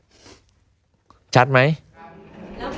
จัดไหมแล้วการที่ตอนเนี้ยผลของการตรวจพิสูจน์หลักฐานนะคะ